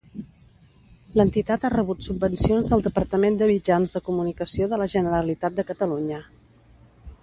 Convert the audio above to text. L'entitat ha rebut subvencions del Departament de Mitjans de Comunicació de la Generalitat de Catalunya.